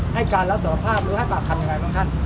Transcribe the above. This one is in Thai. ให้การลักษฌาภาพหรือให้ปรากฎยังไงท่าน